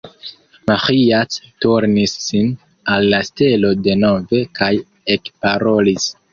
Maĥiac turnis sin al la stelo denove, kaj ekparolis.